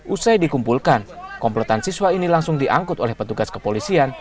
usai dikumpulkan komplotan siswa ini langsung diangkut oleh petugas kepolisian